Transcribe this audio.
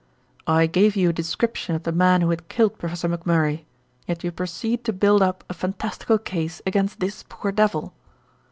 "I gave you a description of the man who had killed Professor McMurray; yet you proceed to build up a fantastical case against this poor devil."